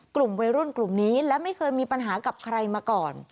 กลุ่มวัยรุ่นกลุ่มนี้และไม่เคยมีปัญหากับใครมาก่อน